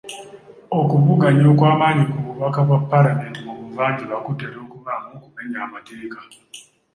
Okuvuganya okw'amaanyi ku bubaka bwa paalamenti mu buvanjuba kutera okubeeramu okumenya amateeka.